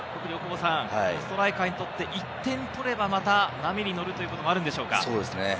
ストライカーにとって１点取れば、また波に乗るということもあるんでしょうか？